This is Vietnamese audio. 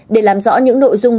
để làm rõ những nội dung